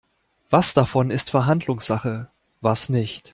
Was davon ist Verhandlungssache, was nicht?